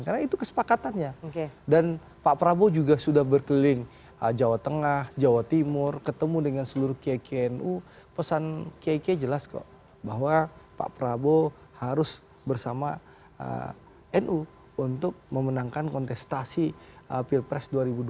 karena itu kesepakatannya dan pak prabowo juga sudah berkeliling jawa tengah jawa timur ketemu dengan seluruh kiknu pesan kik jelas kok bahwa pak prabowo harus bersama nu untuk memenangkan kontestasi pilpres dua ribu dua puluh empat